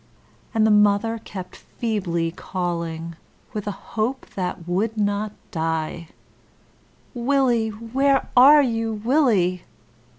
And the mother kept feebly calling, with a hope that would not die, 'Willie! where are you, Willie?'